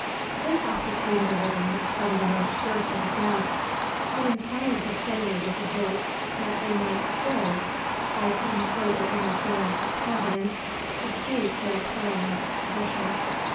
This opportune deliverance from the most fearful of deaths had inspired the sailor with a hope that they might still, by some further interference of Providence, escape from their perilous position.